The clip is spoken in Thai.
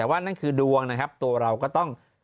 แต่ว่านั่นคือดวงนะครับตัวเราก็ต้อง